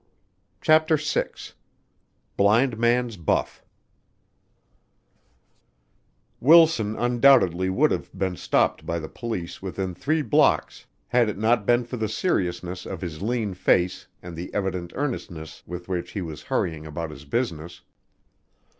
CHAPTER VI Blind Man's Buff Wilson undoubtedly would have been stopped by the police within three blocks had it not been for the seriousness of his lean face and the evident earnestness with which he was hurrying about his business.